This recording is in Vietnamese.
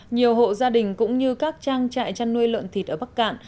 nhiều hộ gia đình cũng như các trang trại chăn nuôi lợn thịt ở bắc cạn